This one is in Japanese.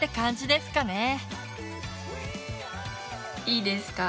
いいですか？